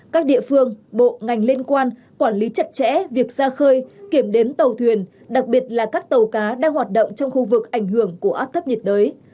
các địa phương bộ ngành liên quan quản lý chặt chẽ việc ra khơi kiểm đếm tàu thuyền đặc biệt là các tàu cá đang hoạt động trong khu vực ảnh hưởng của áp thấp nhiệt đới